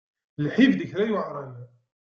Lḥif d kra yuɛren.